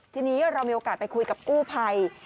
ทีนี้เรามีโอกาสไปคุยกับกู้ภัย